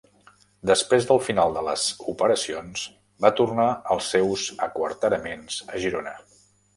Després del final de les operacions va tornar als seus aquarteraments a Girona.